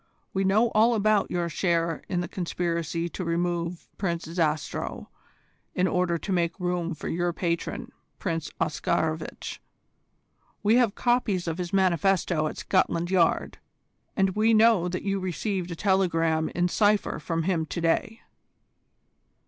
We know all about your share in the conspiracy to remove Prince Zastrow in order to make room for your patron Prince Oscarovitch. We have copies of his manifesto at Scotland Yard, and we know that you received a telegram in cypher from him to day."